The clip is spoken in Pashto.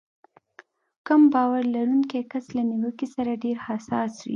کم باور لرونکی کس له نيوکې سره ډېر حساس وي.